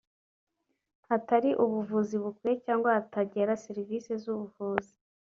hatari ubuvuzi bukwiye cyangwa hatagera serivisi z’ubuvuzi